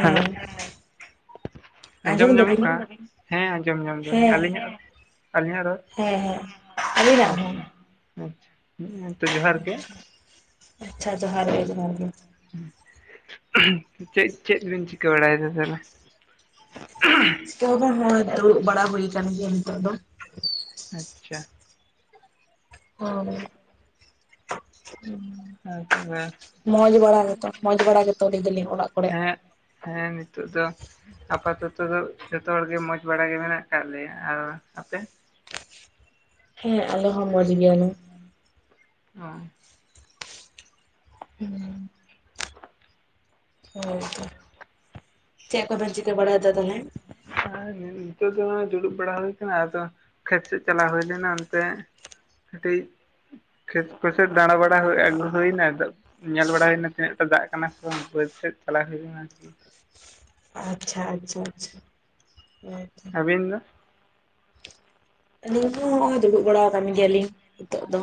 Hello. ᱟᱸᱡᱚᱢ ᱧᱟᱢᱚᱜ ᱠᱟᱱᱟ᱾ ᱦᱮᱸ ᱟᱸᱡᱚᱢ ᱧᱟᱢ ᱫᱟᱞᱤᱧ᱾ ᱦᱮᱸ ᱟᱹᱞᱤᱧᱟᱜ ᱨᱟᱲ? ᱟᱹᱞᱤᱧᱟᱜ ᱨᱚᱲ ᱦᱮᱸ ᱦᱮᱸ ᱟᱹᱵᱤᱱᱟᱜ ᱦᱚᱸ ᱟᱪᱪᱷᱟ ᱦᱮᱸ ᱛᱚ [unintelligible] ᱟᱪᱪᱷᱟ᱾ ᱡᱚᱦᱟᱨ ᱜᱮ ᱡᱚᱦᱟᱨ ᱜᱮ᱾ ᱪᱮᱫ ᱪᱮᱫ ᱵᱤᱱ ᱪᱤᱠᱟᱹ ᱵᱟᱲᱟᱭᱮᱫᱟ? [unintelligible] ᱪᱤᱠᱟᱹ ᱦᱚᱸ ᱵᱟᱝ ᱦᱚᱸᱜ-ᱚᱭ ᱫᱩᱲᱩᱵ ᱵᱟᱲᱟ ᱦᱩᱭ ᱟᱠᱟᱱ ᱜᱮᱭᱟ ᱱᱤᱛᱚᱜ ᱫᱚ᱾ ᱟᱪᱪᱷᱟ᱾ ᱦᱳᱭ ᱦᱩᱸ᱾ ᱟᱨ ᱛᱚᱵᱮ ᱢᱚᱡᱽ ᱵᱟᱲᱟ ᱜᱮᱛᱚ, ᱢᱚᱡᱽ ᱵᱟᱲᱟ ᱜᱮᱛᱚ ᱞᱟᱹᱭ ᱫᱟᱞᱤᱧ ᱚᱲᱟᱜ ᱠᱚᱨᱮᱜ? ᱦᱮᱸ ᱦᱮᱸ ᱱᱤᱛᱚᱜ ᱫᱚ ᱟᱯᱟᱛᱚᱛᱚ ᱫᱚ ᱡᱚᱛᱚ ᱦᱚᱲᱜᱮ ᱢᱚᱡ ᱵᱟᱲᱟ ᱜᱮ ᱢᱮᱱᱟᱜ ᱟᱠᱟᱫ ᱞᱮᱭᱟ ᱟᱨ ᱟᱯᱮ ᱦᱮᱸ ᱟᱞᱮ ᱦᱚᱸ ᱢᱚᱡᱽ ᱜᱮᱭᱟᱞᱮ ᱦᱚᱸ ᱦᱮᱸ [unintelligible] ᱦᱚᱸ ᱪᱮᱫ ᱠᱚᱵᱮᱱ ᱪᱤᱠᱟᱹ ᱵᱟᱲᱟᱭᱮᱫᱫᱟ ᱛᱟᱦᱚᱞᱮ ᱦᱮ ᱱᱤᱛᱚᱜ ᱫᱚ ᱫᱩᱲᱩᱵ ᱵᱟᱲᱟ ᱦᱩᱭ ᱠᱟᱱᱟ ᱟᱫᱚ ᱠᱷᱮᱛ ᱥᱮᱫ ᱪᱟᱞᱟᱣ ᱦᱩᱭ ᱞᱮᱱᱟ ᱚᱱᱛᱮ ᱠᱟᱴᱤᱡ ᱠᱷᱮᱛ ᱠᱷᱮᱥ ᱫᱟᱬᱟ ᱵᱟᱲᱟ ᱦᱩᱭ ᱟᱜᱩ ᱦᱩᱭᱱᱟ ᱟᱫᱚ ᱧᱮᱞ ᱵᱟᱲᱟᱦᱩᱭ ᱮᱱᱟ᱾ᱛᱤᱱᱟᱹᱜ ᱴᱟᱜ ᱫᱟᱜ ᱠᱟᱱᱟ ᱥᱮ ᱵᱟᱝ ᱵᱟᱹᱫ ᱥᱮᱫ ᱪᱟᱞᱟᱣ ᱦᱩᱭ ᱞᱮᱱᱟ ᱟᱹᱨᱠᱤ᱾ ᱟᱪᱪᱷᱟ, ᱟᱪᱪᱷᱟ, ᱟᱪᱪᱷᱟ᱾ ᱟᱹᱵᱤᱱ ᱫᱚ? ᱟᱹᱞᱤᱧ ᱦᱚᱸ ᱡᱩᱲᱩᱵ ᱵᱟᱲᱟ ᱟᱠᱟᱱ ᱜᱮᱭᱟᱞᱤᱧ ᱱᱤᱛᱚᱜ ᱫᱚ᱾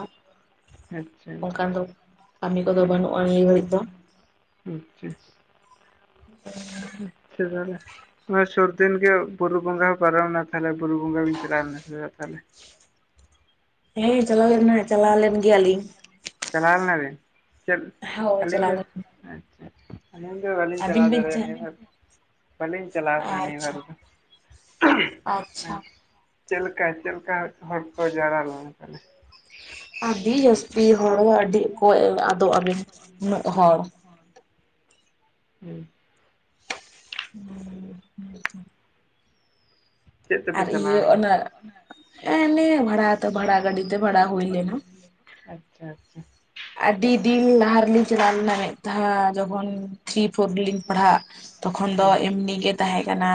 ᱟᱪᱪᱷᱟ ᱟᱪᱪᱷᱟ ᱚᱱᱠᱟᱱ ᱫᱚ ᱠᱟᱹᱢᱤ ᱠᱚᱫᱚ ᱵᱟᱹᱱᱩᱜᱼᱟ ᱱᱤᱭᱟᱹ ᱜᱷᱟᱹᱲᱤᱡ ᱫᱚ᱾ ᱟᱪᱪᱷᱟ᱾ ᱟᱪᱪᱷᱟ ᱛᱟᱞᱮ [inaudible] ᱥᱩᱨ ᱫᱤᱱ ᱜᱮ ᱵᱩᱨᱩ ᱵᱚᱸᱜᱟ ᱦᱚᱸ ᱯᱟᱨᱚᱢ ᱮᱱᱟ᱾ ᱛᱟᱦᱚᱞᱮ ᱵᱩᱨᱩ ᱵᱚᱸᱜᱟ ᱵᱤᱱ ᱪᱟᱞᱟᱣ ᱞᱮᱱᱟ ᱥᱮ ᱛᱟᱦᱚᱞᱮ? ᱦᱮᱸ ᱪᱟᱞᱟᱣ ᱞᱮᱱᱟ, ᱪᱟᱞᱟᱣ ᱞᱮᱱ ᱜᱮᱭᱟᱞᱤᱧ᱾ ᱪᱟᱞᱟᱣ ᱞᱮᱱᱟ ᱵᱤᱱ, ᱪᱮᱫ ᱦᱳᱭ ᱟᱹᱞᱤᱧ ᱪᱟᱞᱟᱣ ᱵᱮ? ᱞᱮᱱᱟ ᱟᱪᱪᱷᱟ᱾ ᱟᱹᱞᱤᱧ ᱫᱚ ᱵᱟᱹᱞᱤᱧ ᱟᱹᱵᱤᱱ ᱪᱟᱞᱟᱣ ᱵᱤᱱ ᱪᱟ ᱫᱟᱲᱮᱭᱟᱜ, ᱵᱷᱟᱹᱞᱤᱧ ᱪᱟᱞᱟᱣ ᱞᱮᱱᱟ ᱱᱤᱭᱟᱹ ᱟᱪᱪᱷᱟ ᱫᱷᱟᱹᱣ ᱫᱚ᱾ ᱟᱪᱪᱷᱟ᱾ ᱪᱮᱫ ᱞᱮᱠᱟ? ᱪᱮᱫ ᱞᱮᱠᱟ ᱦᱚᱲ ᱠᱚ ᱡᱟᱣᱨᱟ ᱞᱮᱱᱟ ᱛᱟᱦᱚᱞᱮ? ᱟᱹᱰᱤ ᱡᱟᱹᱥᱛᱤ ᱦᱚᱲ ᱟᱹᱰᱤ ᱠᱚᱭ ᱟᱫᱚᱜ ᱟᱵᱤᱱ ᱩᱱᱟᱹᱜ ᱦᱚᱲ᱾ [inaudible] ᱪᱮᱫ ᱛᱮᱯᱮ ᱟᱨ ᱪᱟᱞᱟᱣ ᱤᱭᱟᱹ ᱞᱮᱱᱟ ᱚᱱᱟ ᱦᱮ ᱤᱢᱚᱱᱤ ᱵᱷᱟᱹᱲᱟ ᱵᱷᱟᱲᱟ ᱜᱟᱹᱰᱤᱛᱮ ᱵᱷᱟᱲᱟ ᱫᱚ ᱦᱩᱭ ᱞᱮᱱᱟ᱾ ᱟᱪᱪᱷᱟ, ᱟᱪᱪᱷᱟ᱾ ᱟᱹᱰᱤ ᱫᱤᱱ ᱞᱟᱦᱟ ᱨᱮᱞᱤᱧ ᱪᱟᱞᱟᱣ ᱞᱮᱱᱟ᱾ ᱡᱚᱠᱷᱚᱱ ᱛᱷᱨᱤ ᱯᱷᱳᱨ ᱨᱮᱞᱤᱧ ᱯᱟᱲᱦᱟᱜ, ᱛᱚᱠᱷᱚᱱ ᱫᱚ ᱦᱮᱸ ᱩᱱᱤ ᱜᱮ ᱛᱟᱦᱮᱸ ᱠᱟᱱᱟ᱾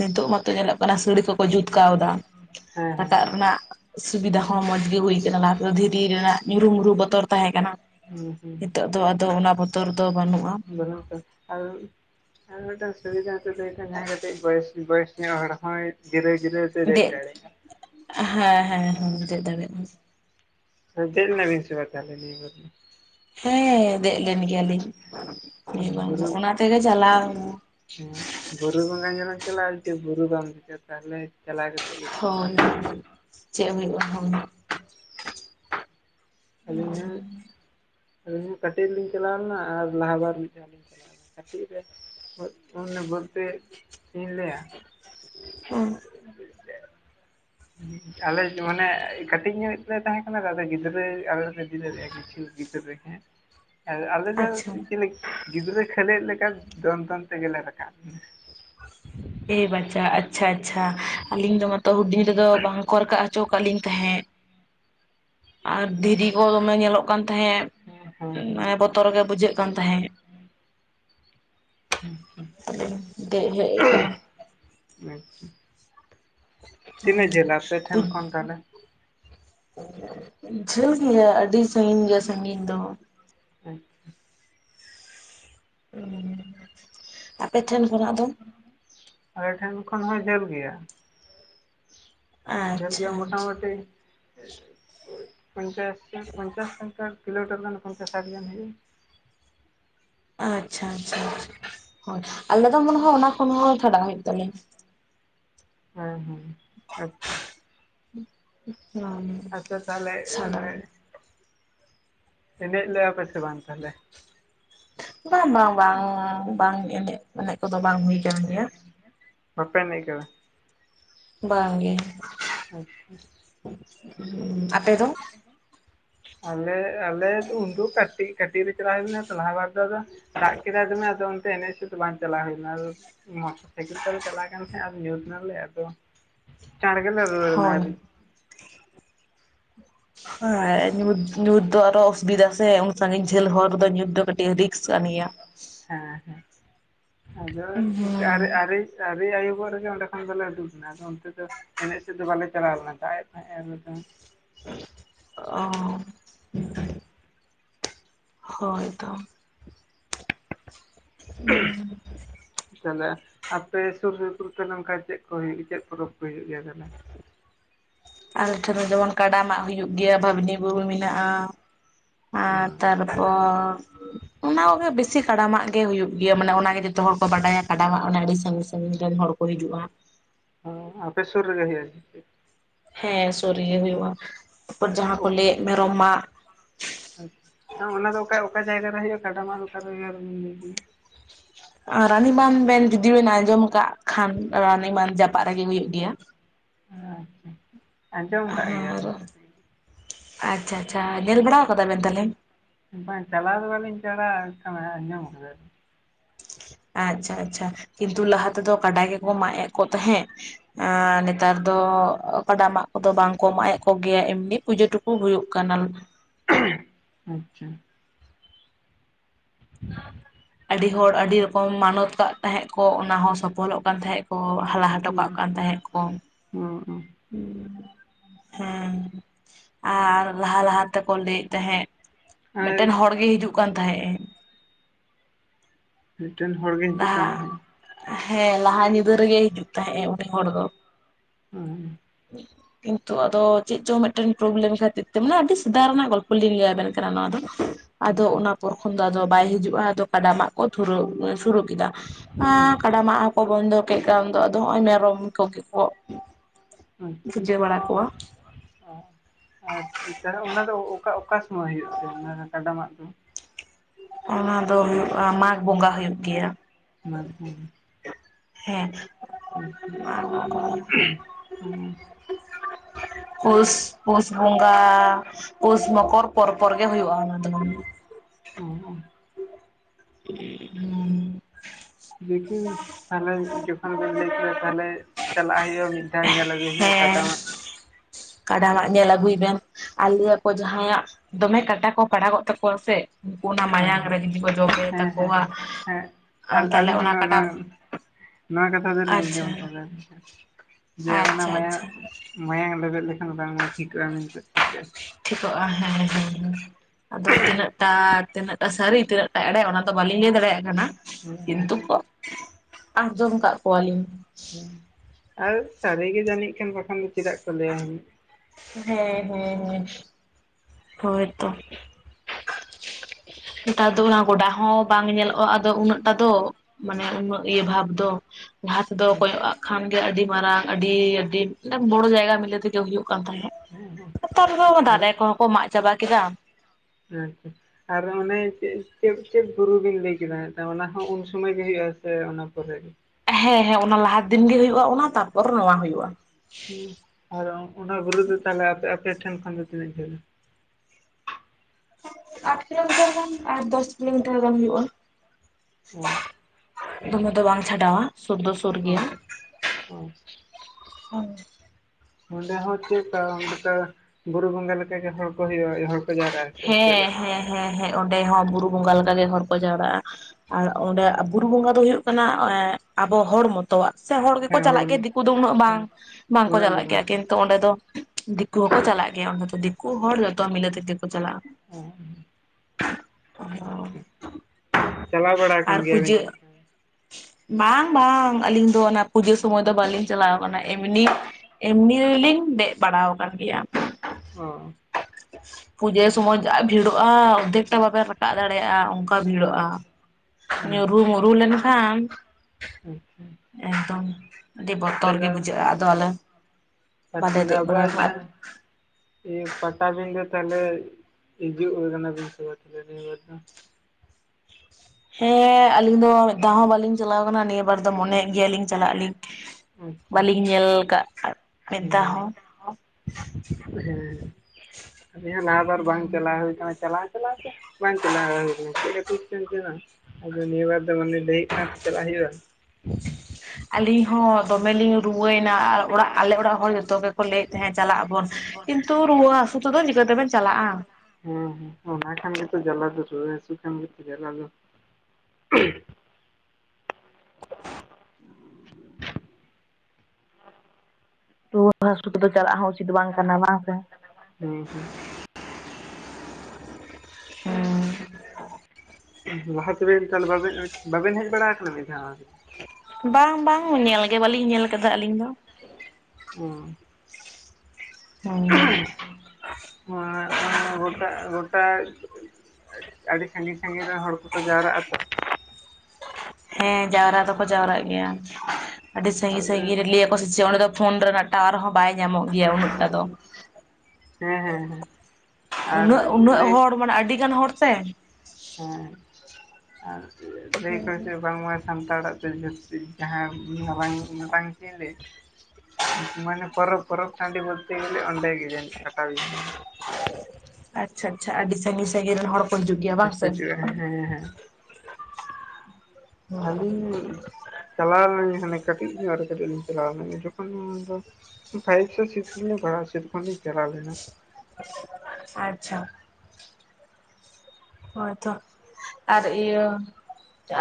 ᱱᱤᱛᱚᱜ ᱢᱟᱛᱚ ᱧᱮᱞᱚᱜ ᱠᱟᱱᱟ, ᱥᱤᱹᱲᱤ ᱠᱚᱠᱚ ᱡᱩᱛ ᱠᱟᱣᱫᱟ᱾ ᱦᱮᱸ ᱦᱮᱸ ᱨᱟᱠᱟᱵ ᱦᱮᱸ ᱨᱮᱱᱟᱜ ᱥᱩᱵᱤᱫᱟ ᱦᱚᱸ ᱢᱚᱡᱽ ᱜᱮ ᱦᱩᱭ ᱟᱠᱟᱱᱟ, ᱞᱟᱦᱟ ᱛᱮᱫ ᱫᱷᱤᱨᱤ ᱨᱮᱱᱟᱜ ᱧᱩᱨᱩ-ᱢᱩᱨᱩ ᱵᱚᱛᱚᱨ ᱛᱟᱦᱮᱸ ᱠᱟᱱᱟ᱾ ᱦᱩᱸ ᱦᱩᱸ ᱱᱤᱛᱚᱜ ᱫᱚ ᱟᱫᱚ ᱚᱱᱟ ᱵᱚᱛᱚᱨ ᱫᱚ ᱵᱟᱹᱱᱩᱜᱼᱟ᱾ ᱵᱟᱹᱱᱩᱜ ᱟᱫᱟ ᱟᱨ ᱟᱨ ᱢᱤᱫᱴᱟᱝ ᱥᱩᱵᱤᱫᱟ ᱞᱟᱹᱭ ᱠᱟᱱᱟ, ᱡᱟᱦᱟᱸ ᱠᱟᱹᱴᱤᱡ ᱵᱚᱭᱮᱥ, ᱵᱚᱭᱮᱥ ᱦᱚᱲ ᱦᱚᱸᱭ ᱡᱤᱛᱟᱹᱣ- ᱡᱤᱛᱟᱹᱣ ᱫᱩᱡ ᱫᱮᱡ ᱫᱟᱲᱮᱭᱟᱜᱼᱟ᱾ ᱦᱮᱸ ᱦᱮᱸ ᱦᱮᱸ, ᱫᱮᱡᱽ ᱫᱟᱲᱮᱭᱟᱜ᱾ ᱦᱮᱸ ᱫᱮᱡ ᱞᱮᱱᱟ ᱵᱤᱱ ᱥᱮ ᱵᱟᱝ ᱱᱤᱭᱟ ᱵᱟᱨ ᱫᱚ? ᱦᱮᱸ ᱫᱮᱡ ᱞᱮᱱ ᱜᱮᱭᱟᱞᱤᱧ, ᱱᱤᱭᱟ ᱦᱮᱸ ᱵᱟᱨ ᱫᱚ, ᱵᱩᱨᱩ ᱚᱱᱟ ᱛᱮᱜᱮ ᱪᱟᱞᱟᱣ ᱦᱮᱸ ᱵᱩᱨᱩ ᱵᱚᱸᱜᱟ ᱡᱮᱞ ᱪᱟᱞᱟᱜᱼᱟ, ᱡᱮ ᱵᱩᱨᱩ ᱵᱟᱢ ᱫᱮᱡᱚᱜ, ᱛᱟᱦᱚᱞᱮ ᱪᱟᱞᱟᱣ ᱠᱟᱛᱮ ᱜᱮ ᱪᱮᱫ ᱦᱳᱭ ᱵᱟᱝ ᱪᱮᱫ ᱦᱩᱭᱩᱜᱼᱟ᱾ ᱟᱹᱞᱤᱧ ᱦᱚᱸ ᱟᱹᱞᱤᱧ ᱦᱚᱸ ᱠᱟᱹᱴᱤᱡ ᱨᱮ ᱞᱤᱧ ᱪᱟᱞᱟᱣ ᱞᱮᱱᱟ᱾ ᱞᱟᱦᱟ ᱵᱟᱨ ᱢᱤᱫ ᱞᱤᱧ ᱪᱟᱞᱟᱣᱱᱟ᱾ ᱠᱟᱹᱴᱤᱡ ᱨᱮ [unintelligible] [unintelligible] ᱪᱤᱱ ᱞᱮᱭᱟ᱾ ᱟᱞᱮ ᱢᱟᱱᱮ ᱠᱟᱹᱴᱤᱡ ᱧᱚᱜ ᱜᱮᱞᱮ ᱛᱟᱦᱮᱸ ᱠᱟᱱᱟ᱾ ᱟᱫ ᱜᱤᱫᱽᱨᱟᱹ ᱟᱞᱮ ᱫᱚ ᱠᱤᱪᱷᱩ ᱜᱤᱫᱽᱨᱟᱹ ᱨᱮ ᱟᱨ ᱟᱞᱮ ᱫᱚ ᱟᱪᱪᱷᱟ [unintelligible] ᱜᱤᱫᱽᱨᱟᱹ ᱠᱷᱮᱞᱮᱫ ᱞᱮᱠᱟ, ᱫᱚᱱ ᱫᱚᱱ ᱛᱮᱜᱮᱞᱮ ᱨᱟᱠᱟᱵ ᱮᱱᱟ᱾ ᱮ ᱵᱟᱪᱷᱟ ᱟᱪᱪᱷᱟ ᱟᱪᱪᱷᱟ, ᱟᱹᱞᱤᱧ ᱫᱚ ᱢᱟᱛᱚ ᱦᱩᱰᱤᱧ ᱨᱮᱫᱚ ᱵᱟᱝ ᱠᱚ ᱨᱟᱠᱟᱯ ᱦᱚᱪᱚ ᱟᱠᱟᱫ ᱞᱤᱧ ᱛᱟᱦᱮᱸᱫ᱾ ᱟᱨ ᱫᱷᱤᱨᱤ ᱠᱚ ᱫᱚᱢᱮ ᱧᱮᱞᱚᱜ ᱛᱟᱦᱮᱸᱫ, ᱦᱮᱸ ᱦᱮᱸ ᱢᱟᱱᱮ ᱵᱚᱛᱚᱨ ᱵᱚᱛᱚᱨ ᱜᱮ ᱵᱩᱡᱷᱟᱹᱣ ᱠᱟᱱ ᱛᱟᱦᱮᱸᱫ᱾ ᱦᱮ ᱛᱚ ᱛᱟᱞᱦᱮ ᱫᱮᱡ ᱦᱮᱡ ᱠᱟᱱᱟ᱾ ᱟᱪᱪᱷᱟ᱾ ᱛᱤᱱᱟᱹᱜ ᱡᱷᱮᱞᱟ ᱟᱯᱮᱴᱷᱮᱱ ᱠᱷᱚᱱ ᱛᱟᱦᱚᱞᱮ? ᱡᱷᱟᱹᱞ ᱜᱮᱭᱟ, ᱟᱹᱰᱤ ᱥᱟᱺᱜᱤᱧ ᱜᱮᱭᱟ, ᱥᱟᱺᱜᱤᱧ ᱫᱚ᱾ ᱟᱪᱪᱷᱟ᱾ ᱩᱻᱟᱯᱮ ᱴᱷᱮᱱ ᱠᱷᱚᱱᱟᱜ ᱫᱚ? ᱟᱞᱮ ᱴᱷᱮᱱ ᱠᱷᱚᱱ ᱦᱚᱸ ᱡᱷᱟᱹᱞ ᱜᱮᱭᱟ᱾ ᱡᱷᱮᱞ ᱟᱪᱪᱷᱟ ᱜᱮᱭᱟ ᱟᱪᱪᱷᱟ ᱢᱳᱴᱟ-ᱢᱩᱴᱤ ᱯᱧᱪᱟᱥ ᱯᱚᱪᱟᱥ ᱴᱠᱟ ᱠᱤᱞᱳᱢᱤᱴᱟᱨ ᱜᱟᱱ ᱯᱚᱧᱪᱟᱥ ᱥᱟᱴ ᱜᱟᱱ ᱦᱚᱭᱳᱜ ᱟ᱾ ᱟᱪᱪᱷᱟ ᱟᱪᱪᱷᱟᱷᱟ ᱦᱳᱭ ᱟᱞᱮ ᱫᱚ ᱢᱚᱱᱮ ᱚᱱᱟ ᱠᱷᱚᱱ ᱦᱚᱸ ᱪᱷᱟᱰᱟᱣ ᱦᱩᱭᱩᱜ ᱛᱟᱞᱮᱭᱟ᱾ ᱦᱮᱸ ᱦᱮᱸ ᱟᱪᱪᱷᱟ᱾ [unintelligible] ᱟᱪᱪᱷᱟ ᱛᱟᱦᱚᱞᱮ ᱪᱷᱟᱰᱟ ᱮᱱᱮᱡ ᱞᱮᱭᱟᱯᱮ ᱥᱮ ᱵᱟᱝ ᱛᱟᱦᱚᱞᱮ? ᱵᱟᱝ ᱵᱟᱝ ᱵᱟᱝ ᱵᱟᱝ ᱮᱱᱮᱡ ᱮᱱᱮᱡ ᱠᱚᱫᱚ ᱵᱟᱝ ᱦᱩᱭ ᱠᱟᱱᱟᱱ ᱜᱮᱭᱟ᱾ ᱵᱟᱯᱮ ᱮᱱᱮᱡ ᱠᱟᱫᱟ? ᱵᱟᱝ ᱜᱮ᱾ ᱟᱪᱪᱷᱟ᱾ ᱟᱯᱮ ᱫᱚ᱾ ᱟᱞᱮ ᱟᱞᱮ ᱩᱱ ᱫᱚ ᱠᱟᱹᱴᱤᱡ ᱠᱟᱴᱤᱨ ᱪᱟᱞᱟᱣ ᱦᱩᱭ ᱞᱮᱱᱟ ᱛᱚ ᱞᱟᱦᱟᱵᱟᱨ ᱫᱚ ᱟᱫᱚ ᱫᱟᱜ ᱠᱮᱫᱟ ᱫᱚᱢᱮ ᱟᱫᱚ ᱚᱱᱛᱮ ᱮᱱᱮᱡ ᱥᱮᱫ ᱵᱟᱝ ᱪᱟᱞᱟᱣ ᱦᱩᱭᱱᱟ ᱚᱫᱚ ᱢᱚᱴᱚᱨ ᱥᱟᱭᱠᱮᱞ ᱛᱮᱞᱮ ᱪᱟᱞᱞᱟᱣ ᱠᱟᱱ ᱛᱟᱦᱮᱸᱫ ᱧᱩᱛ ᱮᱱᱟᱞᱮ ᱟᱫᱚ ᱪᱟᱲ ᱜᱮᱞᱮᱞᱮ ᱨᱩᱣᱟᱹᱲ ᱱᱟ ᱦᱳᱭ ᱟᱨᱤ ᱦᱮᱸ ᱧᱩ ᱧᱩᱫ ᱫᱟᱨ ᱚᱥᱩᱵᱤᱫᱷᱟ ᱥᱮ᱾ ᱥᱟᱺᱜᱤᱧ ᱡᱷᱟᱹᱞ ᱦᱚᱲ ᱫᱚ ᱧᱩᱛ ᱫᱚ ᱠᱟᱹᱴᱤᱡ ᱨᱤᱠᱥ ᱠᱟᱱ ᱜᱮᱭᱟ᱾ ᱦᱮᱸ ᱦᱮᱸ ᱟᱫᱚ ᱤᱱᱠᱟᱹ ᱟᱨᱮ ᱦᱩᱸ ᱟᱨᱮ ᱟᱹᱨᱤ ᱟᱭᱩᱵᱚᱜ ᱨᱮᱜᱮ ᱚᱸᱰᱮ ᱠᱷᱚᱱ ᱫᱚ ᱞᱮ ᱩᱰᱩᱠ ᱚᱱᱛᱮ ᱫᱚ ᱮᱱᱮᱡ ᱥᱮᱫ ᱫᱚ ᱵᱟᱞᱮ ᱪᱟᱞᱟᱣ ᱞᱮᱱᱟ ᱫᱟᱜ ᱮ ᱛᱟᱦᱮᱸᱫ [unintelligible] ᱚ ᱦᱳᱭ ᱛᱚ᱾ ᱦᱩᱸ ᱛᱟᱦᱞᱮ ᱟᱯᱮ ᱥᱩᱨ ᱥᱩᱯᱩᱨ ᱯᱮ ᱱᱚᱝᱠᱟ ᱪᱮᱫ ᱠᱚ ᱦᱩᱭᱩᱜ ᱜᱮᱭᱟ ᱪᱮᱫ ᱯᱚᱨᱚᱵᱽ ᱠᱚ ᱦᱩᱭᱩᱜ ᱜᱮᱭᱟ ᱛᱟᱦᱚᱞᱮ᱾ ᱟᱞᱮ ᱴᱷᱮᱱ ᱦᱚᱸ ᱡᱮᱢᱚᱱ ᱠᱟᱰᱟᱟᱢᱟᱜ ᱦᱩᱭᱩᱜ ᱜᱮᱭᱟ ᱵᱷᱟᱵᱽᱱᱤ ᱵᱩᱨᱩ ᱢᱮᱱᱟᱜᱼᱟ᱾ ᱟᱨ ᱛᱟᱨ ᱯᱚᱨ ᱚᱱᱟ ᱠᱚᱜᱮ ᱵᱮᱥᱤ ᱠᱟᱰᱟᱢᱟᱜ ᱜᱮ ᱦᱩᱭᱩᱜ ᱜᱮᱭᱟ ᱢᱟᱱᱮ ᱚᱱᱟᱜᱮ ᱡᱚᱛᱚ ᱦᱚᱲ ᱠᱚ ᱵᱟᱰᱟᱭᱟ ᱠᱟᱰᱟᱢᱟᱜ ᱟᱹᱰᱤ ᱥᱟᱺᱜᱤᱧ ᱥᱟᱤ ᱨᱮᱱ ᱦᱚᱲ᱾ ᱠᱚ ᱦᱤᱡᱩᱜᱼᱟ᱾ ᱚ ᱟᱯᱮ ᱥᱩᱨ ᱨᱮᱜᱮ ᱦᱩᱭᱩᱜᱼᱟ ᱪᱮᱫ? ᱦᱮᱸ ᱥᱩᱨ ᱨᱮᱜᱮ ᱦᱩᱭᱩᱜᱼᱟ ᱛᱟᱯᱚᱨ ᱡᱟᱦᱟᱸ ᱠᱚ ᱞᱟᱹᱭᱮᱫ ᱢᱮᱨᱚᱢᱟᱜ᱾ ᱚᱱᱟ ᱫᱚ ᱚᱠᱟ ᱚᱠᱟ ᱡᱟᱭᱜᱟ ᱨᱮ ᱦᱩᱭᱩᱜᱼᱟ ᱠᱟᱰᱟ ᱢᱟ ᱫᱚ ᱚᱠᱟᱨᱮ ᱦᱩᱭᱩᱜ [unintelligible] ᱨᱟᱱᱤ ᱵᱟᱸᱫ ᱵᱮᱱ ᱡᱩᱫᱤ ᱵᱮᱱ ᱟᱸᱡᱚᱢ ᱠᱟᱜ ᱠᱷᱟᱱ ᱨᱟᱱᱤᱢᱸᱫᱷ ᱡᱟᱯᱟᱜ ᱨᱮᱜᱮ ᱦᱩᱭᱩᱜ ᱜᱮᱭᱟ᱾ ᱟᱪᱪᱷᱟ᱾ ᱟᱸᱡᱚᱢ ᱠᱟᱜ ᱟᱨ ᱜᱮᱭᱟᱞᱤᱧ ᱠᱟᱹᱴᱤᱡ, ᱟᱪᱪᱷᱟ ᱟᱪᱪᱷᱟ ᱧᱮᱞ ᱵᱟᱲᱟ ᱟᱠᱟᱫᱟ ᱵᱮᱱ ᱛᱟᱦᱚᱞᱮ? ᱵᱟᱝ ᱪᱞᱟᱣ ᱫᱚ ᱵᱟᱞᱤᱧ ᱪᱲᱟᱜ ᱠᱟᱱᱟ ᱟᱡᱚᱢ ᱠᱟᱫᱟ ᱞᱤᱧ᱾ ᱟᱪᱪᱷᱟ ᱟᱪᱪᱷᱟ ᱠᱤᱱᱛᱩ ᱞᱟᱦᱟ ᱛᱮᱫᱚ ᱠᱟᱰᱟ ᱜᱮᱠᱚ ᱢᱟᱜ ᱮᱫ ᱠᱚ ᱛᱟᱦᱮᱸᱫ᱾ ᱱᱮᱛᱟᱨ ᱫᱚ ᱠᱟᱰᱟ ᱢᱟᱜ ᱠᱚᱫᱚ ᱵᱟᱝ ᱠᱚ ᱢᱟᱜᱮᱫ ᱠᱚᱜᱮᱭᱟ ᱮᱢᱱᱤ ᱯᱩᱡᱟᱹ ᱴᱩᱠᱩ ᱦᱩᱭᱩᱜ ᱠᱟᱱᱟ᱾ ᱟᱪᱪᱷᱟ, ᱟᱹᱰᱤ ᱦᱚᱲ ᱟᱹᱰᱤ ᱨᱚᱠᱚᱢ ᱢᱟᱱᱚᱛ ᱠᱟᱜ ᱛᱟᱦᱮᱸᱫ ᱠᱚ ᱚᱱᱟ ᱦᱚᱸ ᱥᱚᱯᱷᱚᱞᱚᱜ ᱠᱟᱱ ᱛᱟᱦᱮᱸᱫ᱾ ᱠᱚ ᱦᱟᱞᱟ ᱦᱚᱴᱚ ᱠᱟᱜ ᱦᱩᱸ ᱠᱟᱱ ᱛᱟᱦᱮᱸᱫ ᱠᱚ᱾ [inaudible] ᱦᱮᱸ ᱟᱨ ᱞᱟᱦᱟ ᱞᱟᱦᱟ ᱛᱮᱠᱚ ᱞᱟᱹᱭᱮᱫ ᱛᱟᱦᱮᱸᱫ, ᱟᱨ ᱢᱤᱫᱴᱮᱱ ᱦᱚᱲ ᱜᱮ ᱦᱤᱡᱩᱜ ᱠᱟᱱ ᱛᱟᱦᱮᱸᱜ ᱮ᱾ ᱢᱤᱫᱴᱮᱱ ᱦᱚᱲ ᱜᱮ ᱦᱤᱡᱩᱜ ᱞᱟᱦᱟ ᱠᱟᱱ ᱛᱟᱸᱦᱮᱜ-ᱮ᱾ ᱦᱮᱸ ᱞᱟᱦᱟ ᱧᱤᱫᱟᱹ ᱨᱮᱜᱮ ᱦᱤᱡᱩᱜ ᱛᱟᱦᱮᱸᱜ-ᱮ ᱩᱱᱤ ᱦᱚᱲ ᱫᱚ᱾ ᱦᱩᱸ [unintelligible] ᱠᱤᱱᱛᱩ ᱟᱫᱚ ᱪᱮᱫ ᱪᱚ ᱢᱮᱫᱴᱮᱱ ᱯᱨᱚᱵᱞᱮᱢ ᱠᱷᱟᱹᱛᱤᱨ ᱛᱮ ᱢᱟᱱᱮ ᱟᱹᱰᱤ ᱥᱮᱫᱟᱭ ᱨᱮᱱᱟᱜ ᱜᱚᱞᱯᱚ ᱞᱤᱧ ᱞᱟᱹᱭ ᱟᱵᱮᱱ ᱠᱟᱱᱟ ᱱᱚᱣᱟ ᱫᱚ᱾ ᱟᱫᱚ ᱟᱪᱪᱷᱟ ᱚᱱᱟ ᱯᱚᱨ ᱠᱷᱚᱱ ᱫᱚ ᱟᱫᱚ ᱵᱟᱭ ᱦᱤᱡᱩᱜᱼᱟ ᱟᱫᱚ ᱠᱟᱰᱟ ᱢᱟᱜ ᱠᱚ ᱛᱷᱩᱨᱟᱹᱣ ᱥᱩᱨᱩ ᱠᱤᱫᱟ᱾ ᱟᱸ ᱠᱟᱰᱟ ᱢᱟᱜ ᱦᱚᱸ ᱠᱚ ᱵᱚᱱᱫᱚ ᱠᱮᱫ ᱠᱷᱟᱱ ᱫᱚ ᱟᱫᱚ ᱦᱚᱸᱜᱼᱚᱭ ᱢᱮᱨᱚᱢ ᱠᱚᱜᱮ ᱠᱚ ᱯᱩᱡᱟᱹ ᱵᱟᱲᱟ ᱠᱚᱣᱟ ᱟᱪᱪᱷᱟ᱾ [inaudible] ᱟᱨ ᱛᱟᱹᱭ ᱨᱮᱦᱚᱸ ᱚᱱᱟ ᱫᱚ ᱚᱠᱟ ᱚᱠᱟ ᱥᱩᱢᱚᱭ ᱦᱩᱭᱩᱜ ᱛᱮ ᱚᱱᱟ ᱠᱟᱰᱟ ᱢᱟᱜ ᱫᱚ? ᱚᱱᱟ ᱫᱚ ᱦᱩᱭᱩᱜᱼᱟ ᱢᱟᱜ ᱵᱚᱝᱜᱟ ᱦᱩᱭᱩᱜ ᱜᱮᱭᱟ᱾ ᱢᱟᱜ ᱵᱚᱝᱜᱟ, ᱦᱮᱸ ᱾ [inaudible] ᱯᱩᱥ ᱯᱩᱥ ᱵᱚᱸᱜᱟ ᱯᱩᱥ ᱢᱚᱠᱚᱨ ᱯᱚᱨ ᱯᱚᱨ ᱜᱮ ᱦᱳᱭᱳᱜᱼᱟ ᱚᱱᱟ ᱫᱚ᱾ [inaudible] [inaudible] ᱫᱤᱠᱤᱱ ᱛᱟᱦᱚᱞᱮ ᱡᱚᱠᱷᱚᱱ ᱵᱤᱱ ᱞᱟᱹᱭ ᱠᱮᱫᱟ ᱛᱟᱦᱚᱞᱮ ᱪᱟᱞᱟᱜ ᱦᱳᱭᱳᱜᱼᱟ ᱢᱤᱫ ᱫᱷᱟᱣ ᱧᱮᱞ ᱟᱹᱜᱩᱭ ᱦᱩᱭᱩᱜᱼᱟ ᱦᱮᱸ ᱠᱟᱰᱟ ᱢᱟᱜ᱾ ᱠᱟᱰᱟ ᱢᱟᱜ ᱧᱮᱞ ᱟᱹᱜᱩᱭ ᱵᱮᱱ, ᱟᱨ ᱞᱮᱭᱟ ᱠᱚ ᱡᱟᱦᱟᱸᱭᱟᱜ ᱫᱚᱢᱮ ᱠᱟᱴᱟ ᱠᱚ ᱯᱟᱲᱟᱜᱚᱜ ᱛᱟᱠᱚᱣᱟ ᱥᱮ ᱩᱱᱠᱩ ᱚᱱᱟ ᱦᱮᱸ ᱢᱟᱭᱟᱝ ᱦᱮᱸ ᱨᱮ ᱡᱩᱫᱤ ᱠᱚ ᱡᱚᱵᱮ ᱦᱮᱸ ᱦᱮᱸ ᱛᱟᱠᱚᱣᱟ ᱦᱮᱸ ᱛᱟᱦᱞᱮ ᱟᱞ-ᱟᱹᱞᱤᱧ ᱦᱚᱸ ᱱᱟ ᱚᱱᱟ ᱠᱟᱴᱟ ᱱᱚᱣᱟ ᱠᱟᱛᱷᱟ ᱫᱚᱞᱤᱧ ᱟᱪᱪᱷᱟ ᱟᱸᱡᱚᱢ ᱠᱟᱫᱟ, ᱡᱮ ᱚᱱᱟ ᱟᱪᱪᱷᱟ ᱢᱟᱭᱟᱝ ᱟᱪᱪᱷᱟ ᱢᱟᱭᱟᱝ ᱞᱮᱵᱮᱫ ᱞᱮᱠᱷᱟᱱ ᱵᱟᱝᱢᱟ ᱴᱷᱤᱠᱚᱜᱼᱟ ᱢᱮᱱᱛᱮ ᱥᱮ ᱪᱮᱫ? ᱴᱷᱤᱠᱚᱜᱼᱟ ᱦᱮᱸ ᱦᱮᱸ᱾ ᱟᱫᱚ ᱛᱤᱱᱟᱹᱜ ᱴᱟ ᱛᱤᱱᱟᱹᱜ ᱴᱟ ᱥᱟᱹᱨᱤ ᱛᱤᱱᱟᱹᱜ ᱴᱟ ᱮᱲᱮ ᱚᱱᱟᱫᱚ ᱵᱟᱹᱞᱤᱧ ᱞᱮᱭ ᱫᱟᱲᱮᱭᱟᱜ ᱠᱟᱱᱟ᱾ ᱦᱮᱸ ᱦᱮᱸ ᱠᱤᱱᱛᱩ ᱠᱚ ᱟᱡᱚᱢ ᱠᱟᱜ ᱠᱚᱣᱟᱞᱤᱧ᱾ ᱟᱨ ᱥᱟᱹᱨᱤᱜᱮ ᱡᱟᱹᱱᱤᱡ ᱠᱷᱟᱱ ᱵᱟᱠᱷᱟᱱ ᱫᱚ ᱪᱮᱫᱟᱜ ᱠᱚ ᱞᱟᱹᱭᱟ? ᱦᱮᱸ ᱦᱮᱸ ᱦᱮᱸ ᱦᱳᱭᱛᱚ᱾ ᱱᱮᱛᱟᱨ ᱫᱚ ᱚᱱᱟ ᱜᱚᱰᱟ ᱦᱚᱸ ᱵᱟᱝ ᱧᱮᱞᱚᱜᱼᱟ ᱟᱫᱚ ᱩᱱᱟᱹᱜ ᱴᱟ ᱫᱚ᱾ ᱢᱟᱱᱮ ᱩᱱᱟᱹᱜ ᱤᱭᱟᱹ ᱵᱷᱟᱵ ᱫᱚ᱾ ᱞᱟᱦᱟ ᱛᱮᱫᱚ ᱠᱚᱭᱚᱜᱼᱟᱜ ᱠᱷᱟᱱ ᱜᱮ ᱟᱹᱰᱤ ᱢᱟᱨᱟᱝ ᱟᱹᱰᱤ ᱟᱹᱰᱤ ᱢᱟᱱᱮ ᱵᱚᱲᱚ ᱡᱟᱭᱜᱟ ᱢᱤᱞᱮ ᱛᱮᱜᱮ ᱦᱩᱭᱩᱜ ᱠᱟᱱ ᱛᱟᱦᱮᱸᱫ᱾ ᱱᱮᱛᱟᱨ ᱫᱚ ᱟᱨ ᱫᱟᱨᱮ ᱠᱚᱦᱚᱸ ᱠᱚ ᱢᱟᱜ ᱪᱟᱵᱟ ᱠᱮᱫᱟ᱾ ᱟᱪᱪᱷᱟ, ᱟᱨ ᱚᱱᱮ ᱪᱮᱫ ᱪᱮᱫ ᱵᱩᱨᱩ ᱵᱤᱱ ᱞᱮᱭ ᱠᱮᱫᱟ ᱢᱮᱫᱴᱟᱝ ᱚᱱᱟ ᱦᱚᱸ ᱩᱱ ᱥᱩᱢᱚᱭ ᱜᱮ ᱦᱩᱭᱩᱜᱼᱟ ᱥᱮ ᱚᱱᱟ ᱯᱚᱨᱮ ᱜᱮ? ᱦᱮᱸ ᱦᱮᱸ ᱚᱱᱟ ᱞᱟᱦᱟ ᱫᱤᱱ ᱜᱮ ᱦᱩᱭᱩᱜᱼᱟ ᱚᱱᱟ ᱛᱟᱨᱯᱚᱨ ᱱᱚᱶᱟ ᱦᱩᱭᱩᱜᱼᱟ᱾ ᱦᱩᱸ ᱟᱨ ᱚ-ᱚᱱᱟ ᱜᱩᱨᱩ ᱫᱚ ᱛᱟᱦᱚᱞᱮ ᱟᱯᱮ ᱟᱯᱮ ᱴᱷᱮᱱ ᱠᱷᱚᱱ ᱫᱚ ᱛᱤᱱᱟᱹᱧ ᱡᱷᱟᱹᱞᱟᱹ? ᱟᱴ ᱠᱤᱞᱳᱢᱤᱴᱟᱨ ᱜᱟᱱ ᱟᱴ ᱫᱚᱥ ᱠᱤᱞᱳᱢᱤᱴᱟᱨ ᱜᱟᱱ ᱦᱩᱭᱩᱜᱼᱟ᱾ ᱚᱸ, ᱫᱚᱢᱮ ᱫᱚ ᱵᱟᱝ ᱪᱷᱟᱰᱟᱣᱟ, ᱥᱳᱨ ᱫᱚ ᱥᱳᱨ ᱜᱮᱭᱟ᱾ ᱚ ᱚ ᱚᱸᱰᱮ ᱦᱚᱸ ᱪᱮᱫᱠᱟ ᱚᱱᱠᱟ ᱵᱩᱨᱩ ᱵᱚᱸᱜᱟ ᱞᱮᱠᱟᱜᱮ ᱦᱚᱲ ᱠᱚ ᱦᱳᱭᱳᱜᱼᱟ? ᱦᱮᱸ ᱦᱮᱸ ᱦᱮᱸ ᱦᱮᱸ ᱚᱸᱰᱮ ᱦᱚᱸ ᱵᱩᱨᱩ ᱵᱚᱸᱜᱟ ᱞᱮᱠᱟᱜᱮ ᱦᱚᱲ ᱠᱚ ᱡᱟᱣᱨᱟᱜᱼᱟ᱾ ᱟᱨ ᱚᱸᱰᱮ ᱟ ᱵᱩᱨᱩ ᱵᱚᱸᱜᱟ ᱫᱚ ᱦᱩᱭᱩᱜ ᱠᱟᱱᱟ ᱮᱸᱜ ᱟᱵᱚ ᱦᱚᱲ ᱢᱚ ᱛᱚᱣᱟᱜ ᱥᱮ ᱦᱚᱲ ᱜᱮᱠᱚ ᱪᱟᱞᱟᱜ ᱜᱮᱭᱟ ᱫᱤᱠᱩ ᱫᱚ ᱩᱱᱟᱹᱜ ᱵᱟᱝ᱾ ᱦᱮᱸ ᱵᱟᱝᱠᱚ ᱩᱱᱟᱹᱜ ᱫᱚ ᱪᱟᱞᱟᱜ ᱵᱟᱝ ᱜᱮᱭᱟ, ᱦᱮᱸ ᱠᱤᱱᱛᱩ ᱚᱸᱰᱮ ᱫᱚ ᱫᱤᱠᱩ ᱦᱚᱸᱠᱚ ᱪᱟᱞᱟᱜ ᱜᱮᱭᱟ ᱚᱱᱟᱸᱰᱮ ᱫᱚ ᱫᱤᱠᱩ ᱦᱚᱲ ᱡᱚᱛᱚ ᱢᱤᱞᱟᱹ ᱛᱮ ᱜᱮ ᱠᱚ ᱪᱟᱞᱟᱜᱼᱟ᱾ ᱚ ᱟᱪᱪᱷᱟ ᱪᱟᱞᱟᱣ ᱵᱟᱲᱟ [inaudible] ᱟᱨ ᱟᱠᱟᱱ ᱜᱮᱭᱟᱵᱤᱱ ᱯᱩᱡᱟ ᱡᱟᱹᱱᱤᱡ ᱠᱷᱟᱱ? ᱵᱟᱝ ᱵᱟᱝ ᱟᱹᱞᱤᱧ ᱫᱚ ᱚᱱᱟ ᱯᱩᱡᱟᱹ ᱥᱚᱢᱚᱭ ᱫᱚ ᱵᱟᱹᱞᱤᱧ ᱪᱟᱞᱟᱣ ᱠᱟᱱᱟ᱾ ᱮᱢᱱᱤ ᱮᱢᱱᱤᱨᱤᱞᱤᱧ ᱫᱮᱜ ᱵᱟᱲᱟᱣ ᱟᱠᱟᱱ ᱜᱮᱭᱟ᱾ ᱚᱸ‌᱾ ᱯᱩᱡᱟᱹ ᱥᱚᱢᱚᱭ ᱡᱟᱜ ᱵᱷᱤᱲᱚᱜᱼᱟ ᱚᱨᱫᱮᱠᱴᱟ ᱵᱟᱵᱮᱱ ᱨᱟᱠᱟᱜ ᱫᱟᱲᱮᱭᱟᱜᱼᱟ ᱚᱝᱠᱟ ᱵᱷᱤᱲᱚᱜᱼᱟ᱾ ᱦᱮᱸ ᱧᱩᱨᱩ ᱢᱩᱨᱦᱩ ᱞᱮᱱ ᱠᱷᱟᱱ ᱟᱪᱪᱷᱟ᱾ ᱮᱠᱫᱚᱢ ᱟᱹᱰᱤ ᱟᱪᱪᱷᱟ ᱵᱚᱛᱚᱨ ᱜᱮ ᱵᱩᱡᱷᱟᱹᱜᱼᱟ, ᱟᱫᱚ ᱟᱞᱮ ᱵᱟᱞᱮ ᱛᱟᱦᱚᱞᱮ ᱫᱮᱡ ᱵᱟᱲᱟᱣ ᱟᱵᱚᱣᱟᱜ ᱠᱟᱱᱟ᱾ ᱡᱟᱦᱟᱸ ᱤᱭᱟᱹ ᱯᱟᱴᱟᱵᱤᱱᱫᱚ ᱛᱟᱦᱚᱞᱮ ᱦᱤᱡᱩᱜ ᱠᱟᱱᱟᱵᱤᱱ ᱥᱮ ᱵᱟᱝ ᱛᱟᱦᱞᱮ ᱱᱤᱭᱟᱹ ᱵᱟᱨ ᱫᱚ? ᱦᱮᱸ ᱟᱹᱞᱤᱧ ᱫᱚ ᱢᱤᱫ ᱫᱷᱟᱣ ᱦᱚᱸ ᱵᱟᱹᱞᱤᱧ ᱪᱟᱞᱟᱣ ᱠᱟᱱᱟ᱾ ᱱᱤᱭᱟᱹ ᱵᱟᱨ ᱫᱚ ᱢᱚᱱᱮᱭᱮᱜ ᱜᱮᱭᱟᱞᱤᱧ ᱪᱟᱞᱟᱜ ᱟᱹᱞᱤᱧ᱾ ᱟᱪᱪᱷᱟ ᱵᱟᱹᱞᱤᱧ ᱧᱮᱞ ᱠᱟᱜ ᱟ ᱢᱮᱫ ᱫᱷᱟᱣ ᱦᱮᱸ ᱦᱚᱸ᱾ ᱦᱮᱸ᱾ ᱟᱹᱞᱤᱮ ᱦᱚᱸ ᱞᱟᱦᱟ ᱵᱟᱨ ᱵᱟᱝ ᱪᱟᱞᱟᱣ ᱦᱩᱭ ᱠᱟᱱᱟ᱾ ᱪᱟᱞᱟᱜ ᱪᱟᱞᱟᱣ ᱮᱛᱮ ᱵᱟᱝ ᱪᱟᱞᱟᱣ ᱦᱩᱭ ᱠᱟᱱᱟ ᱪᱮᱫ ᱠᱷᱟᱹᱛᱤᱨ ᱪᱚᱝ ᱡᱮᱱᱚ ᱟᱫᱚ ᱱᱤᱭᱟᱹ ᱵᱟᱨ ᱫᱚ ᱢᱟᱱᱮ ᱞᱟᱹᱭ ᱦᱩᱭᱩᱜ ᱠᱟᱱ ᱛᱚ ᱪᱟᱞᱟᱜ ᱦᱩᱭᱩᱜ-ᱟ᱾ ᱟᱞᱤᱧ ᱦᱚᱸ ᱫᱚᱢᱮᱞᱤᱧ ᱨᱩᱣᱟᱹᱭᱱᱟ ᱟᱨ ᱚᱲᱟᱜ ᱟᱞᱮ ᱚᱲᱟᱜ ᱦᱚᱲ ᱡᱚᱛᱚ ᱜᱮᱠᱚ ᱞᱟᱹᱭᱮᱫ ᱛᱟᱦᱮᱸᱫ ᱪᱟᱞᱟᱜ ᱟᱵᱚᱱ᱾ ᱨᱩᱣᱟᱹ ᱠᱤᱱᱛᱩ [unintelligible] ᱦᱟᱹᱥᱩ ᱛᱮᱫᱚ ᱪᱤᱠᱟᱹᱛᱮᱵᱮᱱ ᱪᱟᱞᱟᱜᱼᱟ᱾ ᱦᱩᱸ ᱦᱩᱸ᱾ ᱚᱱᱟ ᱠᱷᱟᱱ ᱜᱮᱛᱚ ᱡᱟᱞᱟ ᱫᱚ᱾ ᱨᱩᱭᱟᱹ ᱦᱟᱹᱥᱩ ᱠᱷᱟᱱ ᱜᱮᱛᱚ ᱡᱟᱞᱟ ᱫᱚ᱾ ᱨᱩᱭᱟᱹ ᱦᱟᱥᱩ ᱛᱮᱫᱟ ᱪᱟᱞᱟᱜ ᱦᱚᱸ ᱩᱪᱤᱛ ᱵᱟᱝ ᱠᱟᱱᱟ, ᱵᱟᱝ ᱥᱮ? ᱦᱩᱸ ᱦᱩᱸ᱾ [inaudible] ᱞᱟᱦᱟ ᱛᱚᱵᱮ ᱮᱠᱟᱞ ᱵᱟᱵᱮ ᱮᱸᱜ ᱵᱟᱵᱮᱱ ᱦᱮᱡ ᱵᱟᱲᱟ ᱟᱠᱟᱱᱟ ᱢᱤᱫ ᱫᱷᱟᱣ ᱦᱚᱸ? ᱵᱟᱝ ᱵᱟᱝ ᱧᱮᱞ ᱜᱮ ᱵᱟᱹᱞᱤᱧ ᱧᱮᱞ ᱠᱟᱫᱟ ᱟᱹᱞᱤᱧ ᱫᱚ᱾ ᱚ᱾ ᱦᱳᱭ᱾ [unintelligible] ᱜᱚᱴᱟ ᱜᱚᱴᱟᱡ ᱟᱹᱰᱤ ᱥᱟᱺᱜᱤᱧ ᱥᱟᱺᱜᱤᱧ ᱨᱮᱱ ᱦᱚᱲ ᱠᱚᱠᱚ ᱡᱟᱣᱨᱟᱜ ᱟᱛᱚ᱾ ᱦᱮᱸ ᱡᱟᱣᱨᱟ ᱫᱚᱠᱚ ᱡᱟᱣᱨᱟᱜ ᱜᱮᱭᱟ᱾ ᱟᱹᱰᱤ ᱥᱟᱺᱜᱤᱧ ᱥᱟᱺᱜᱤᱧ ᱦᱮᱸ ᱨᱮ ᱞᱟᱹᱭᱟᱠ ᱟᱠᱚ ᱥᱮ ᱪᱮᱫ ᱚᱸᱰᱮ ᱫᱚ ᱯᱷᱳᱱ ᱨᱮᱱᱟᱜ ᱴᱟᱣᱟᱨ ᱦᱚᱸ ᱵᱟᱭ ᱧᱟᱢᱚᱜ ᱜᱮᱭᱟ ᱩᱱᱟᱹᱜ ᱴᱟ ᱫᱚ᱾ ᱦᱮᱸ ᱦᱮᱸ ᱦᱮᱸ᱾ ᱟᱨ ᱩᱱᱟᱹᱜ ᱩᱱᱟᱹᱜ ᱞᱟᱹᱭ ᱦᱚᱲ ᱢᱟᱱᱮ ᱟᱹᱰᱤ ᱜᱟᱱ ᱦᱚᱲ ᱥᱮ᱾ ᱦᱮᱸ ᱟᱨ ᱞᱟᱹᱭᱠᱚ ᱥᱮᱪᱮᱫ ᱵᱟᱝᱢᱟ ᱥᱟᱱᱛᱟᱲᱟᱜ ᱫᱚ ᱡᱟᱹᱥᱛᱤ ᱡᱟᱦᱟᱸ ᱢᱟᱨᱟᱝ ᱢᱟᱨᱟᱝ ᱪᱮᱤ ᱤᱧ ᱞᱟᱹᱭ ᱢᱟᱱᱮ ᱯᱚᱨᱚᱵᱽ ᱯᱚᱨᱚᱵᱽ ᱴᱟᱺᱰᱤ ᱵᱚᱞᱛᱮ ᱜᱮᱞᱮ ᱚᱸᱰᱮ ᱜᱮ ᱡᱟᱹᱱᱤᱡ ᱯᱟᱴᱟᱵᱤᱸᱫᱟᱹ ᱜᱮ᱾ ᱟᱪᱪᱷᱟ ᱟᱪᱪᱷᱟ ᱟᱹᱰᱤ ᱥᱟᱺᱜᱤᱧ ᱥᱟᱺᱜᱤᱧ ᱨᱮᱱ ᱦᱚᱲ ᱠᱚ ᱦᱤᱡᱩᱜ ᱜᱮᱭᱟ ᱦᱚᱲ ᱵᱟᱝ ᱠᱚ ᱥᱮ ᱦᱤᱡᱩᱜᱼᱟ᱾ ᱦᱮᱸᱦᱮᱸ ᱟᱹᱞᱤᱧ ᱪᱟᱞᱟᱣ ᱞᱤᱱᱟᱹᱭ ᱦᱟᱱᱮ ᱠᱟᱹᱴᱤᱡ ᱧᱚᱜ ᱨᱮ ᱠᱟᱹᱴᱤᱢ ᱞᱤᱧ ᱪᱟᱞᱟᱣ ᱞᱮᱱᱟ, ᱡᱚᱠᱷᱚᱱ ᱫᱚ ᱯᱷᱟᱭᱤᱵᱽ ᱥᱮ ᱥᱤᱠᱥ ᱨᱤᱞᱤᱧ ᱯᱟᱲᱦᱟᱜ-ᱟ ᱥᱮ ᱛᱚᱠᱷᱚᱱᱞᱤᱧ ᱪᱟᱞᱟᱣ ᱞᱮᱱᱟ᱾ ᱟᱪᱪᱷᱟ᱾ ᱦᱳᱭᱛᱚ ᱟᱨ ᱤᱭᱟᱹ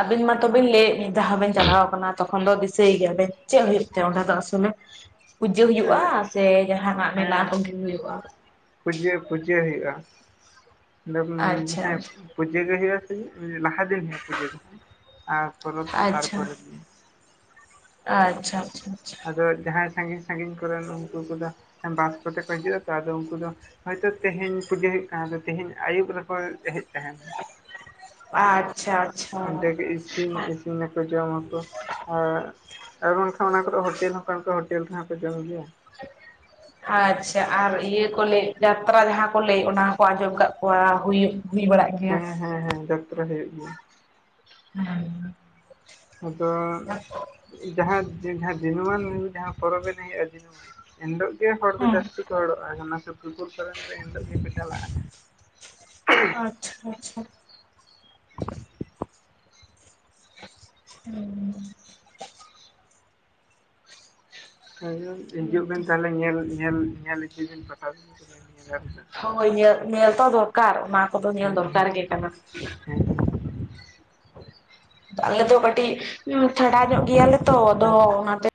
ᱟᱹᱵᱤᱱ ᱢᱟᱛᱚ ᱵᱤᱱ ᱞᱟᱹᱭᱮᱫ ᱫᱟ ᱟᱵᱮᱱ ᱪᱟᱞᱟᱣ ᱟᱠᱟᱱᱟ ᱛᱚᱠᱷᱚᱱ ᱫᱚ ᱫᱤᱥᱟᱹᱭ ᱜᱮᱭᱟᱵᱤᱱ ᱪᱮᱫ ᱦᱩᱭᱩᱜ ᱡᱮ ᱚᱸᱰᱮ ᱫᱚ ᱟᱥᱚᱞᱮ ᱯᱩᱡᱟᱹ ᱦᱩᱭᱩᱜᱼᱟ ᱮᱸᱜ, ᱥᱮ ᱡᱟᱦᱟᱸᱱᱟᱜ ᱢᱮᱞᱟ ᱦᱮᱸ ᱠᱚᱜᱤ ᱦᱩᱭᱩᱜᱼᱟ? ᱯᱩᱡᱟᱹ ᱯᱩᱡᱟᱹ ᱦᱩᱭᱩᱜ-ᱟ, ᱫᱚᱢ ᱟᱪᱪᱷᱟ ᱦᱮᱸ ᱯᱩᱡᱟᱹ ᱜᱮ ᱦᱩᱭᱩᱜ-ᱟ ᱥᱩᱫᱷᱩ ᱞᱟᱦᱟ ᱫᱤᱱ ᱦᱩᱭᱩᱜ-ᱟ ᱯᱩᱡᱟᱹ ᱫᱚ ᱟᱨ ᱯᱚᱨᱚᱵᱽ ᱛᱟᱨᱯᱚᱨᱮᱨ ᱫᱤᱱ᱾ ᱟᱪᱪᱷᱟ ᱟᱪᱪᱷᱟ ᱟᱪᱪᱷᱟ᱾ ᱟᱫᱚ ᱡᱟᱦᱟᱸᱭ ᱥᱟᱺᱜᱤᱧ ᱥᱟᱺᱜᱤᱧ ᱠᱚᱨᱮᱱ ᱩᱱᱠᱩ ᱠᱚᱫᱚ ᱵᱟᱥ ᱠᱚᱛᱮ ᱠᱚ ᱦᱤᱡᱩᱜᱼᱟ ᱛᱚ ᱟᱫᱚ ᱩᱱᱠᱩ ᱫᱚ ᱦᱚᱭᱛᱚ ᱛᱮᱦᱮᱧ ᱯᱩᱡᱟᱹ ᱦᱩᱭᱩᱜ ᱠᱟᱱᱟ ᱟᱫᱚ ᱛᱮᱦᱮᱧ ᱟᱭᱩᱵ ᱨᱮᱠᱚ ᱦᱮᱡ ᱛᱟᱦᱮᱸᱱᱟ᱾ ᱟᱪᱪᱷᱟ᱾ ᱚᱸᱰᱮ ᱜᱮ ᱟᱪᱪᱷᱟ ᱤᱥᱤᱱ ᱤᱥᱤᱱ ᱱᱟ ᱟᱠᱚ ᱡᱚᱢᱟᱠᱚ ᱟᱨ ᱟᱨ ᱵᱟᱝᱠᱷᱟᱱ ᱚᱱᱟ ᱠᱚᱫᱚ ᱦᱳᱴᱮᱞ ᱦᱚᱸ ᱠᱟᱱ ᱠᱚ ᱦᱳᱴᱮᱞ ᱨᱮᱦᱚᱸ ᱠᱚ ᱡᱚᱢ ᱜᱮᱭᱟ᱾ [unintelligible] ᱟᱪᱪᱷᱟ ᱟᱨ ᱤᱭᱟᱹ ᱠᱚ ᱞᱟᱹᱭᱮᱫ ᱡᱟᱛᱨᱟ ᱡᱟᱦᱟᱸ ᱠᱚ ᱞᱟᱹᱭ ᱚᱱᱟ ᱦᱚᱸᱠᱚ ᱟᱸᱡᱚᱢ ᱠᱟᱫ ᱠᱚᱣᱟ ᱦᱩᱭᱩᱜ ᱦᱩᱭ ᱵᱟᱲᱟᱜ ᱜᱮᱭᱟ ᱦᱮᱸ ᱦᱮᱸ ᱦᱮᱸ ᱡᱟᱛᱨᱟ ᱦᱩᱭᱩᱜ ᱜᱮᱭᱟ᱾ ᱦᱮᱸ ᱟᱫᱚ ᱟᱪᱪᱷᱟ ᱡᱟᱦᱟᱸ ᱡᱟᱦᱟᱸ ᱫᱤᱱᱟᱹᱢᱟᱱ ᱡᱟᱦᱟᱸ ᱯᱚᱨᱚᱵᱽ ᱮᱱᱮᱡ ᱦᱩᱭᱩᱜ-ᱟ ᱫᱤᱱᱟᱹᱢᱟᱱ ᱮᱱᱦᱤᱞᱳᱜ ᱜᱮ ᱦᱚᱲ ᱫᱚ ᱡᱟᱹᱥᱛᱤ ᱠᱚ ᱦᱚᱲᱚᱜᱼᱟ, ᱚᱱᱟ ᱥᱩᱨ ᱥᱩᱯᱩᱨ ᱠᱚᱨᱮᱱ ᱫᱚ ᱮᱱᱦᱤᱞᱚᱜ ᱜᱮᱠᱚ ᱪᱟᱞᱟᱜᱼᱟ᱾ ᱟᱪᱪᱷᱟ ᱟᱪᱪᱷᱟ᱾ ᱦᱩᱸ ᱮᱠᱫᱚᱢ ᱦᱤᱡᱩᱜ ᱵᱮᱱ ᱛᱟᱦᱚᱞᱮ ᱧᱮᱞ ᱧᱮᱞ ᱧᱮᱞ ᱤᱫᱤ ᱵᱮᱤᱱ ᱯᱟᱴᱟᱵᱤᱱᱫᱷᱮ [unintelligible] ᱦᱳᱭ ᱧᱮᱞ, ᱧᱮᱞ ᱛᱚ ᱫᱚᱨᱠᱟᱨ ᱚᱱᱟ ᱠᱚᱫᱚ ᱧᱮᱞ ᱦᱮᱸ ᱫᱚᱨᱠᱟᱨ ᱦᱮᱸ ᱜᱮ ᱠᱟᱱᱟ᱾ ᱦᱮᱸ ᱟᱞᱮ ᱫᱚ ᱠᱟᱹᱴᱤᱡ ᱩᱸ ᱪᱷᱟᱰᱟ ᱧᱚᱜ ᱜᱮᱭᱟᱞᱮ ᱛᱚ ᱟᱫᱚ ᱦᱮᱸ ᱚᱱᱟᱛᱮ